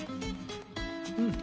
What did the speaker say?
うん！